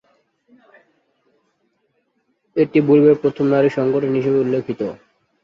এটি বলিভিয়ার প্রথম নারী সংগঠন হিসেবে উল্লেখিত।